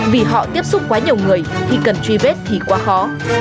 vì họ tiếp xúc quá nhiều người khi cần truy vết thì quá khó